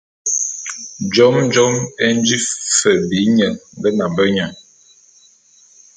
Jôme jôme é nji fe bi nye nge nambe nye.